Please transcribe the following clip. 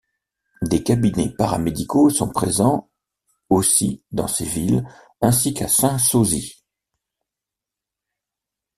Des cabinets para-médicaux sont présents aussi dans ces villes ainsi qu'à Saint-Sozy.